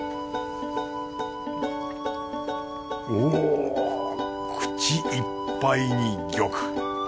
おぉ口いっぱいに玉。